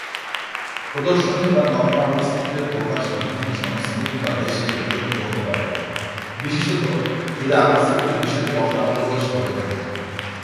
প্রদর্শনী বা নগ্ন আলোকচিত্রের প্রকাশ বিভিন্ন সংস্কৃতি বা দেশে বিতর্কিত হতে পারে, বিশেষত যদি আলোকচিত্রের বিষয়টি অপ্রাপ্তবয়স্ক হয়ে থাকে।